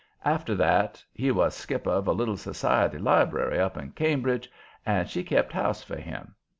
After that he was skipper of a little society library up to Cambridge, and she kept house for him.